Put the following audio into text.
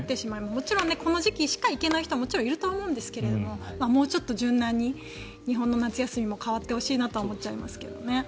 もちろんこの時期しか行けない人はいると思うんですがもうちょっと柔軟に日本の夏休みも変わってほしいなとは思っちゃいますけどね。